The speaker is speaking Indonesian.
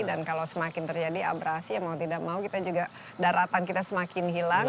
dan kalau semakin terjadi abrasi mau tidak mau kita juga daratan kita semakin hilang